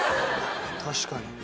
確かに。